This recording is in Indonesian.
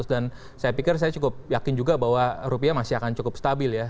dan saya pikir saya cukup yakin juga bahwa rupiah masih akan cukup stabil ya